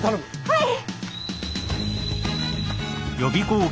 はい！